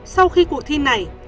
sau khi cuộc thi này